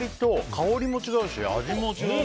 香りも違うし味も違うね。